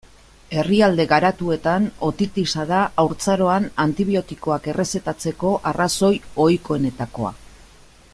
Herrialde garatuetan, otitisa da haurtzaroan antibiotikoak errezetatzeko arrazoi ohikoenetakoa.